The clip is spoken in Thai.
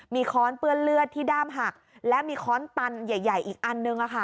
มีค้อนเปื้อนเลือดที่ด้ามหักและมีค้อนตันใหญ่อีกอันนึง